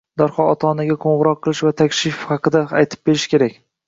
darhol ota-onaga qo‘ng‘iroq qilish va tashrif haqida aytib berish kerak.